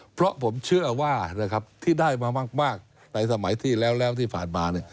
เพราะผมเชื่อว่าที่ได้มามากในสมัยที่แล้วที่ผ่านมา